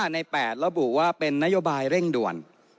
ใน๘ระบุว่าเป็นนโยบายเร่งด่วน